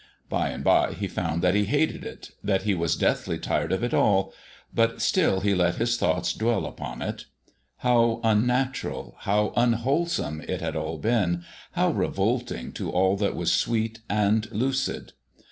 By and by he found that he hated it; that he was deathly tired of it all; but still he let his thoughts dwell upon it. How unnatural, how unwholesome it had all been, how revolting to all that was sweet and lucid.